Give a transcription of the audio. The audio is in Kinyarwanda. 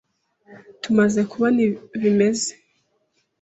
Tumaze kubona bimeze